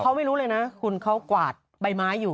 เขาไม่รู้เลยนะคุณเขากวาดใบไม้อยู่